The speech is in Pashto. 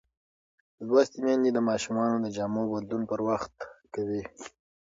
لوستې میندې د ماشومانو د جامو بدلون پر وخت کوي.